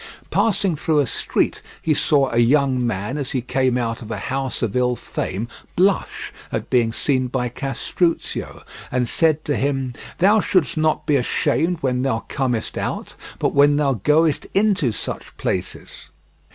Passing through a street he saw a young man as he came out of a house of ill fame blush at being seen by Castruccio, and said to him: "Thou shouldst not be ashamed when thou comest out, but when thou goest into such places."